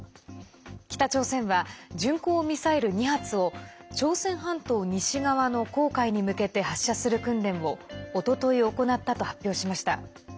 北朝鮮は巡航ミサイル２発を朝鮮半島西側の黄海に向けて発射する訓練をおととい行ったと発表しました。